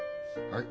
はい。